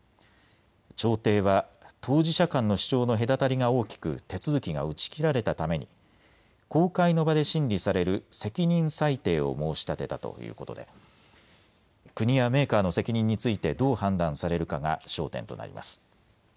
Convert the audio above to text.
調停は当事者間の主張の隔たりが大きく手続きが打ち切られたために公開の場で審理される責任裁定を申し立てたということで、国やメーカーの責任についてどう判断されるかが焦点となります。